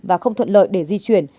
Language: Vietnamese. và không thuận lợi để di chuyển